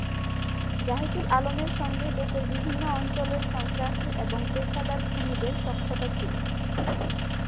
জাহিদুল আলমের সঙ্গে দেশের বিভিন্ন অঞ্চলের সন্ত্রাসী এবং পেশাদার খুনিদের সখ্যতা ছিল।